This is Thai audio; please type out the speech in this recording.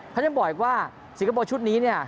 เขายังบอกอีกว่าสิงคโปร์ชุดนี้เนี่ย